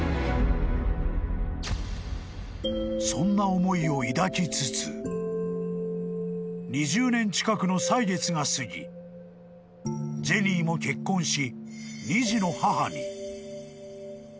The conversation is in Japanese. ［そんな思いを抱きつつ２０年近くの歳月が過ぎジェニーも結婚し］